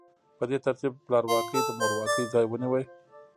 په دې ترتیب پلارواکۍ د مورواکۍ ځای ونیو.